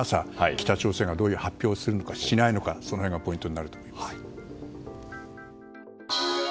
北朝鮮がどういう発表をするのかしないのかその辺がポイントになると思います。